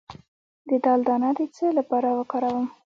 د دال دانه د څه لپاره وکاروم؟